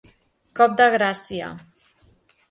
Cop de gràcia.